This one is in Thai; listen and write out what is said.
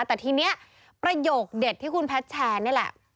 แต่ทีนี้ประโยคเด็ดที่คุณแพทย์แชร์นี่แหละ